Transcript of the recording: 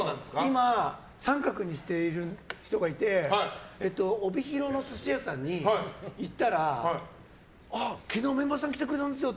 今、△にしている人がいて帯広の寿司屋さんに行ったら昨日、メンバーさん来てくれたんですよ